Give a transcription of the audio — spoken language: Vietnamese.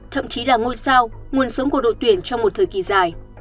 thậm chí là ngôi sao nguồn sống của đội tuyển trong một thời kỳ dài